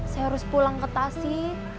saya harus pulang ke tasi